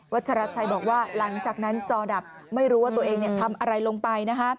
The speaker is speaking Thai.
ชราชัยบอกว่าหลังจากนั้นจอดับไม่รู้ว่าตัวเองทำอะไรลงไป